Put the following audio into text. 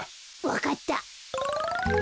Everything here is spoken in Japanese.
わかった。